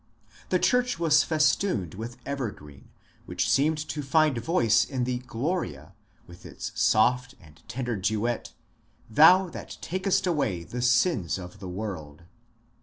The church was festooned A CHRISTMAS EXPERIENCE 45 with evergreen, which seemed to find voice in the ^^ Gloria " with its soft and tender duet, Thou that takest away the sins of the world.''